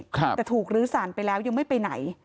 แต่ถูกลื้อสารไปแล้วยังไม่ไปไหน